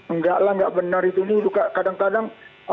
enggak lah enggak benar itu ini kadang kadang